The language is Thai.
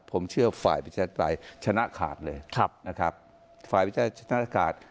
ผมเชื่อฝ่ายวิทยาศาสตรายชนะขาดเลยนะครับฝ่ายวิทยาศาสตรายชนะขาด